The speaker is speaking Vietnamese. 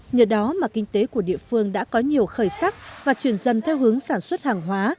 nhờ đó mà kinh tế của địa phương đã có nhiều khởi sắc và chuyển dần theo hướng sản xuất hàng hóa